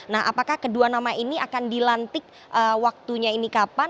nah apakah kedua nama ini akan dilantik waktunya ini kapan